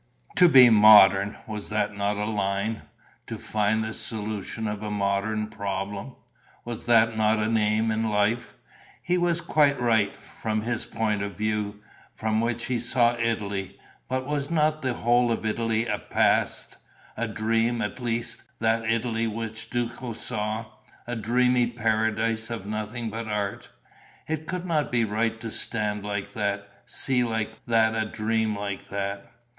To be modern: was that not a line? To find the solution of a modern problem: was that not an aim in life? He was quite right, from his point of view, from which he saw Italy; but was not the whole of Italy a past, a dream, at least that Italy which Duco saw, a dreamy paradise of nothing but art? It could not be right to stand like that, see like that a dream like that.